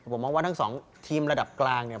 ผมมองว่าทั้งสองทีมระดับกลางเนี่ย